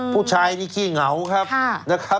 ผู้ชายนี่ขี้เหงาครับค่ะ